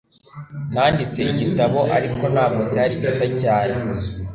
Nanditse igitabo, ariko ntabwo cyari cyiza cyane.